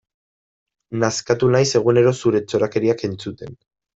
Nazkatu naiz egunero zure txorakeriak entzuten.